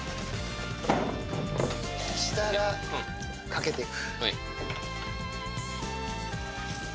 したら、かけてく。